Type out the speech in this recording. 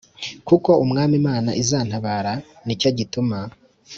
Kuko umwami imana izantabara ni cyo gituma